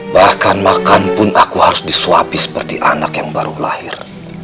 bahkan makan pun aku harus disuapi seperti anak yang baru lahir